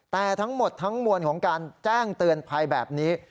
แต่ทั้งหมดทั้งมวลของการแจ้งเตือนภัยแบบนี้